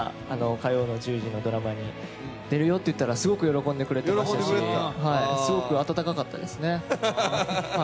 火曜１０時のドラマに出るよって言ったらすごく喜んでくれましたし、すごくあたたかかったですね。